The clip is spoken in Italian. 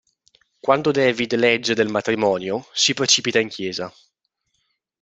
Quando David legge del matrimonio, si precipita in chiesa.